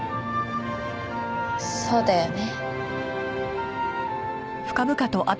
そうだよね。